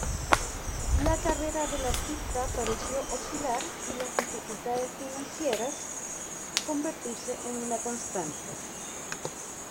La carrera del artista pareció oscilar y las dificultades financieras, convertirse en una constante.